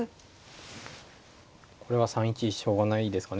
これは３一しょうがないですかね。